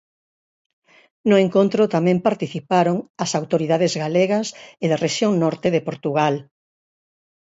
No encontro tamén participaron as autoridades galegas e da rexión Norte de Portugal.